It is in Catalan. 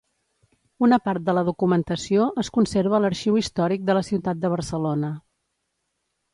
Una part de la documentació es conserva a l'Arxiu Històric de la Ciutat de Barcelona.